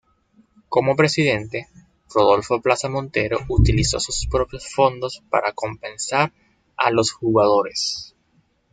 Como presidente Rodolfo Plaza Montero utilizó sus propios fondos para compensar a los jugadores.